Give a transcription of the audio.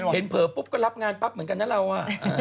เผลอปุ๊บก็รับงานปั๊บเหมือนกันนะเรา